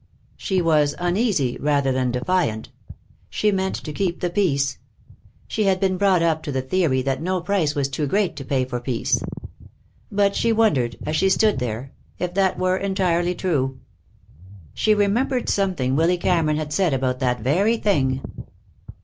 She was uneasy rather than defiant. She meant to keep the peace. She had been brought up to the theory that no price was too great to pay for peace. But she wondered, as she stood there, if that were entirely true. She remembered something Willy Cameron had said about that very thing.